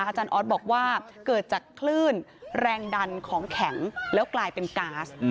อาจารย์ออสบอกว่าเกิดจากคลื่นแรงดันของแข็งแล้วกลายเป็นก๊าซ